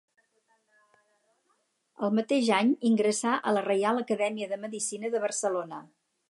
El mateix any ingressà a la Reial Acadèmia de Medicina de Barcelona.